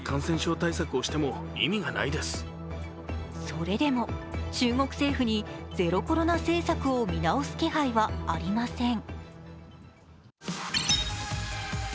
それでも、中国政府にゼロコロナ政策を見直す気配はありません。